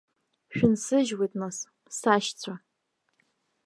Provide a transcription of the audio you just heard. Шәынсыжьуеит, нас, сашьцәа!